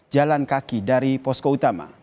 jalan kaki dari posko utama